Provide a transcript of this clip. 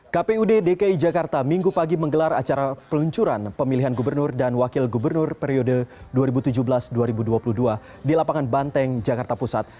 kpud dki jakarta minggu pagi menggelar acara peluncuran pemilihan gubernur dan wakil gubernur periode dua ribu tujuh belas dua ribu dua puluh dua di lapangan banteng jakarta pusat